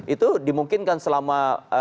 itu dimungkinkan selama